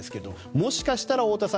もしかしたら太田さん